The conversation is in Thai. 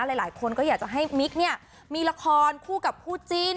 หลายหลายคนก็อยากจะให้มิกเนี้ยมีละครคู่กับผู้จีน